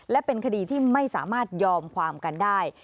และเป็นคดีที่ไม่สามารถยอมความกันได้